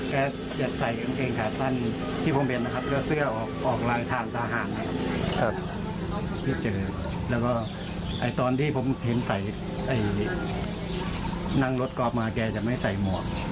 แกจะใส่กางเกงขาดสั้นที่ผมเห็นนะครับก็เสื้อออกลางทางสาหารครับครับพี่เจอแล้วก็ไอ้ตอนที่ผมเห็นใส่ไอ้นั่งรถกรอบมาแกจะไม่ใส่หมอก